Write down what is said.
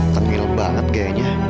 tenggil banget kayaknya